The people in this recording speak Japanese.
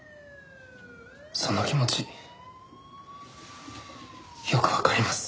その気持ちよくわかります。